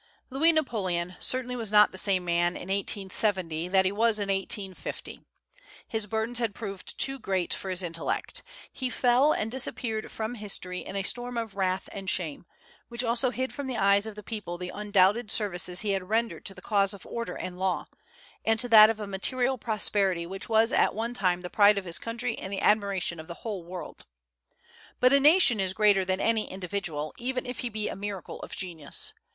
Louis Napoleon certainly was not the same man in 1870 that he was in 1850. His burdens had proved too great for his intellect. He fell, and disappeared from history in a storm of wrath and shame, which also hid from the eyes of the people the undoubted services he had rendered to the cause of order and law, and to that of a material prosperity which was at one time the pride of his country and the admiration of the whole world. But a nation is greater than any individual, even if he be a miracle of genius.